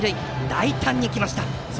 大胆に来ました！